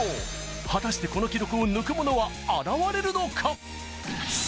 果たしてこの記録を抜く者は現れるのか？